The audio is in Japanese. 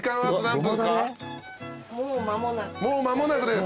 もう間もなくです